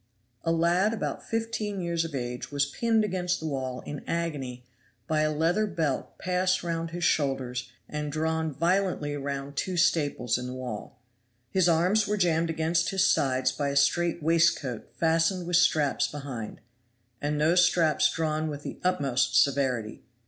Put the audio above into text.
A lad about fifteen years of age was pinned against the wall in agony by a leathern belt passed round his shoulders and drawn violently round two staples in the wall. His arms were jammed against his sides by a straight waistcoat fastened with straps behind, and those straps drawn with the utmost severity.